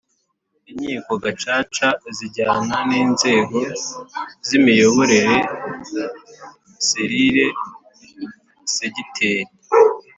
Inkiko gacaca zijyana n inzego z imiyoborere serire segiteri